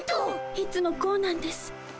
いつもこうなんです。